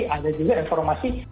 ada juga informasi